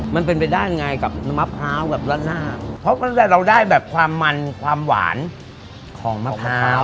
มันเป็นไปได้ไงกับมะพร้าวกับราดหน้าเพราะเราได้แบบความมันความหวานของมะพร้าว